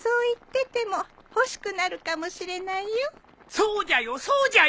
そうじゃよそうじゃよ。